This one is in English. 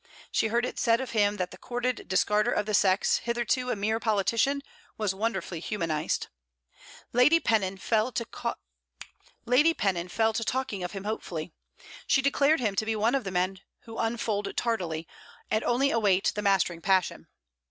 She heard it said of him, that the courted discarder of the sex, hitherto a mere politician, was wonderfully humanized. Lady Pennon fell to talking of him hopefully. She declared him to be one of the men who unfold tardily, and only await the mastering passion.